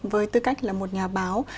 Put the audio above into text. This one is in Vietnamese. với tư cách là một nhà báo